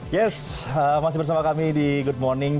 yes masih bersama kami di good morning